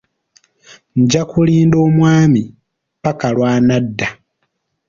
Nja kulinda omwami ppaka lw'anadda.